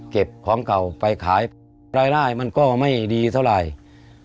เก็บของเก่าไปขายรายได้มันก็ไม่ดีเท่าไหร่